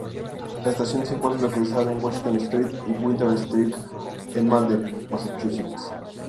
La estación se encuentra localizada en Washington Street y Winter Street en Malden, Massachusetts.